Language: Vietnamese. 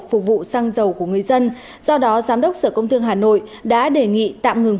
phục vụ xăng dầu của người dân do đó giám đốc sở công thương hà nội đã đề nghị tạm ngừng